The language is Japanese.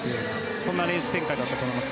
そんなレース展開だったと思います。